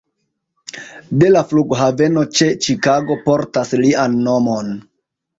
De la flughaveno ĉe Ĉikago portas lian nomon.